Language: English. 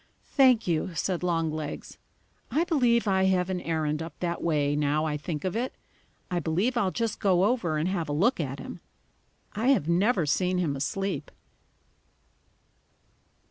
"Thank you," said Longlegs. "I believe I have an errand up that way, now I think of it. I believe I'll just go over and have a look at him. I have never seen him asleep."